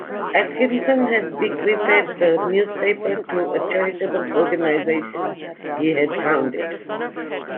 Atkinson had bequeathed the newspaper to a charitable organization he had founded.